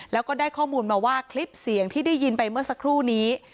แล้วก็ได้ข้อมูลมาว่าคลิปเสียงที่ได้ยินไปเมื่อสักครู่นี้